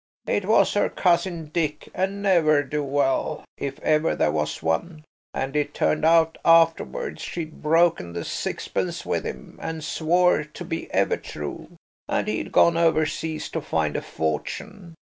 It was her cousin Dick–a ne'er do well, if ever there was one–and it turned out afterwards she'd broken the sixpence with him and swore to be ever true, and he'd gone overseas to find a fortune.